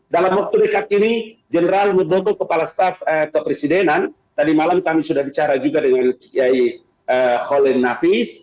dalam waktu dekat ini general mudoko kepala staf kepresidenan tadi malam kami sudah bicara juga dengan kiai holil nafis